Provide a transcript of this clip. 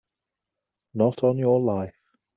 Not on your life!